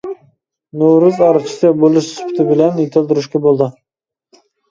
نورۇز ئارچىسى بولۇش سۈپىتى بىلەن يېتىلدۈرۈشكە بولىدۇ.